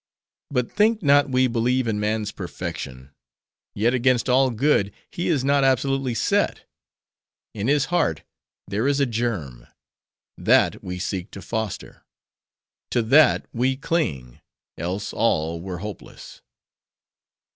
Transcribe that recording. But think not we believe in man's perfection. Yet, against all good, he is not absolutely set. In his heart, there is a germ. That we seek to foster. To that we cling; else, all were hopeless!"